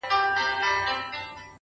o زما د زړه په هغه شين اسمان كي؛